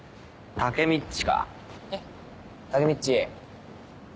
タケミっち。